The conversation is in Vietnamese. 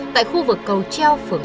tại khu vực cầu treo phường tám